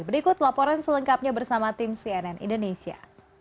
berikut laporan selengkapnya bersama tim cnn indonesia